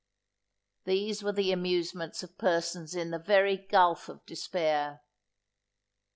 These were the amusements of persons in the very gulph of despair.